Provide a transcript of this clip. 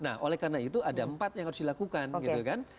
nah oleh karena itu ada empat yang harus dilakukan gitu kan